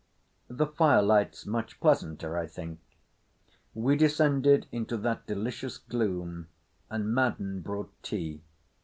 "The firelight's much pleasanter, I think." We descended into that delicious gloom and Madden brought tea.